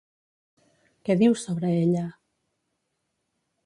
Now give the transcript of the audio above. Què diu sobre ella?